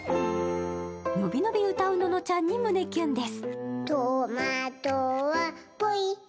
伸び伸び歌うののちゃんに胸キュンです。